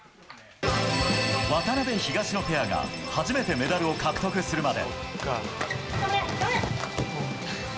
渡辺・東野ペアが初めてメダルを獲得するまで。